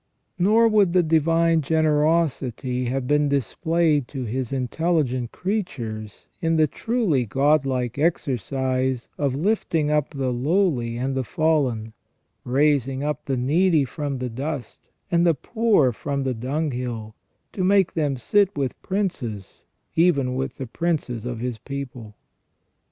Nor would the divine generosity have been displayed to His intelligent creatures in the truly God like exercise of lifting up the lowly and the fallen, "raising up the needy from the dust, and the poor from the dunghill, to make them sit with princes, even with the princes of His people".